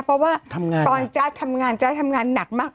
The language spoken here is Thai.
เพราะว่าตอนจ๊ะทำงานจ๊ะทำงานหนักมาก